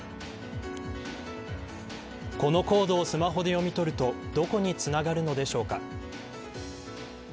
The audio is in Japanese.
このコードをスマホで読み取るとどこにつながるのでしょうか。